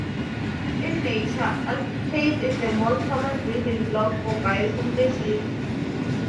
In nature, acetate is the most common building block for biosynthesis.